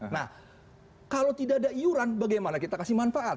nah kalau tidak ada iuran bagaimana kita kasih manfaat